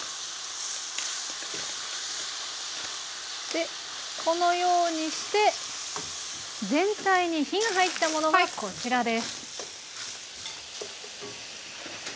でこのようにして全体に火が入ったものがこちらです。